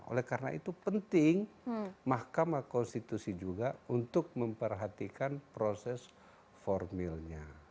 oleh karena itu penting mahkamah konstitusi juga untuk memperhatikan proses formilnya